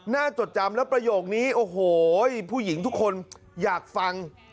จดจำแล้วประโยคนี้โอ้โหผู้หญิงทุกคนอยากฟัง